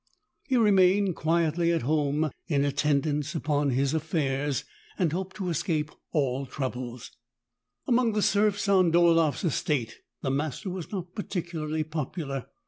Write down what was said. He remained quietly at home in attendance upon his affairs, and hoped to escape all trouble. Among the serfs on DolaefPs estate, the master was not particularly popular.